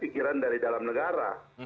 pikiran dari dalam negara